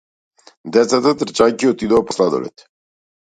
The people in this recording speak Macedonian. Децата трчајќи отидоа по сладолед.